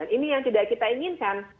dan ini yang tidak kita inginkan